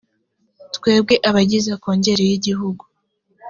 twebwe abagize kongere y igihugu